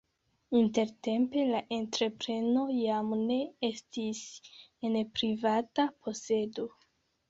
Intertempe la entrepreno jam ne estis en privata posedo.